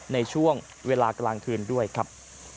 ในช่วงเวลากลางคืนด้วยครับ